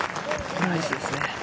ナイスですね。